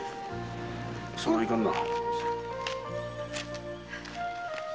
それはいかんな。